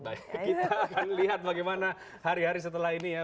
baik kita akan lihat bagaimana hari hari setelah ini ya